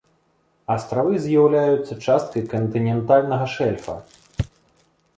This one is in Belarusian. Астравы з'яўляюцца часткай кантынентальнага шэльфа.